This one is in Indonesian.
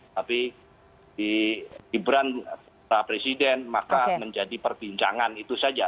tapi gibran para presiden maka menjadi perbincangan itu saja